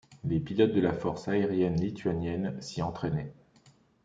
Les pilotes de la force aérienne lituanienne s'y entraînaient.